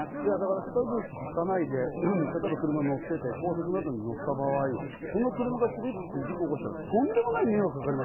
スタッドレスはかないで例えば車に乗って、高速などに乗った場合、その車がスリップして事故を起こしたら、とんでもない迷惑がかかる。